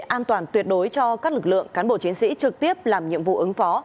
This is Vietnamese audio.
an toàn tuyệt đối cho các lực lượng cán bộ chiến sĩ trực tiếp làm nhiệm vụ ứng phó